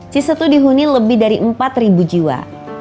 cisetu dihuni lebih dari empat jiwa